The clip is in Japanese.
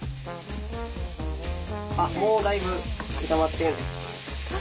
あっもうだいぶ炒まってる。